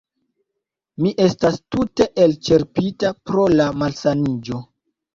Mi estas tute elĉerpita pro la malsaniĝo